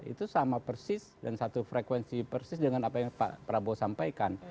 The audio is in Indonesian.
itu sama persis dan satu frekuensi persis dengan apa yang pak prabowo sampaikan